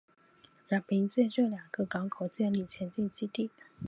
然后凭借这两个港口建立前进基地。